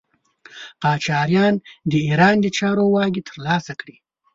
قاجاریان د ایران د چارو واګې تر لاسه کړې.